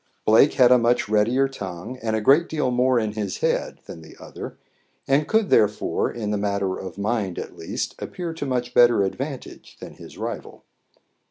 Blake had a much readier tongue and a great deal more in his head than the other, and could therefore, in the matter of mind at least, appear to much better advantage than his rival.